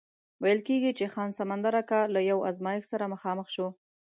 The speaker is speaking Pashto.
ویل کېږي چې خان سمندر اکا له یو ازمایښت سره مخامخ شو.